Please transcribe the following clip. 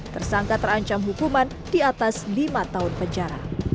tersangka terancam hukuman di atas lima tahun penjara